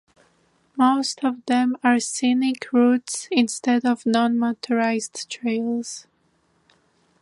Most of them are scenic routes instead of non-motorized trails.